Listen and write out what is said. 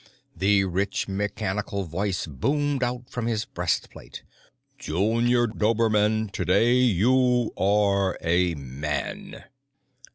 The rich mechanical voice boomed out from his breastplate: "Junior Dobermann, today you are a man!"